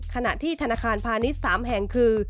ขณะที่ธนาคารพาณิชย์๓แห่งคือ